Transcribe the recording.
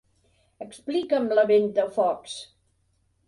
Explica'm la Ventafocs.